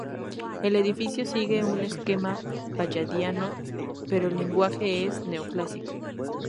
El edificio sigue un esquema palladiano pero el lenguaje es neoclásico.